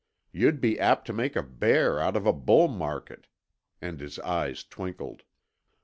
You'd be apt to make a bear out of a bull market," and his eyes twinkled.